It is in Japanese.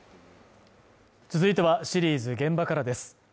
続いてはシリーズ「現場から」です